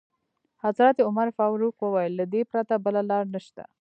حضرت عمر فاروق وویل: له دې پرته بله لاره نشته.